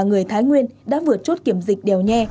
người thái nguyên đã vượt chốt kiểm dịch đèo nhe